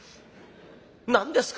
「何ですか？